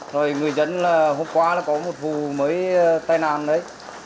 rồi người dân là hôm qua là có một vụ mới tai nạn đấy